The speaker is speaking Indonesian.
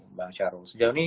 mbak syahrul sejauh ini